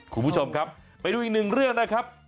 คุณผู้ชมครับไปดูอีกหนึ่งเรื่องนะครับ